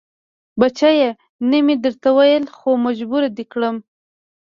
بچيه نه مې درته ويل خو مجبور دې کم.